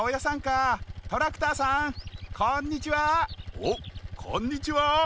おっこんにちは！